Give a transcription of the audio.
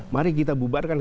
mari kita bubarkan